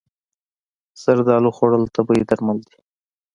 زردالو خوړل طبیعي درمل دي.